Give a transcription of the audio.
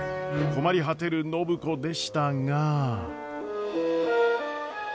困り果てる暢子でしたが。